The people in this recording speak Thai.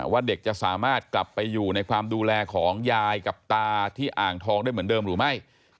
เด็กจะสามารถกลับไปอยู่ในความดูแลของยายกับตาที่อ่างทองได้เหมือนเดิมหรือไม่